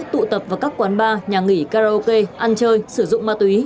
tụ tập vào các quán bar nhà nghỉ karaoke ăn chơi sử dụng ma túy